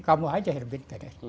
kamu aja herbin